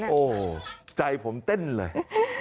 โอ้โหใจผมเต้นเลย